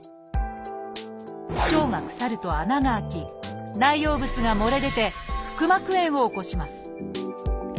腸が腐ると穴が開き内容物が漏れ出て腹膜炎を起こします。